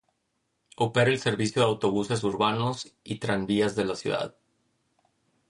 Opera el servicio de autobuses urbanos y tranvías de la ciudad.